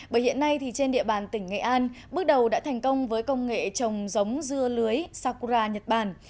bởi hiện nay trên địa bàn tỉnh nghệ an bước đầu đã thành công với công nghệ trồng giống dưa lưới sakura nhật bản